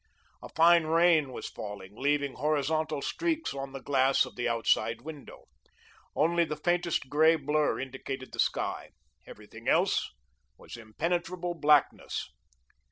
A fine rain was falling, leaving horizontal streaks on the glass of the outside window. Only the faintest grey blur indicated the sky. Everything else was impenetrable blackness.